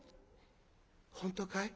「本当かい？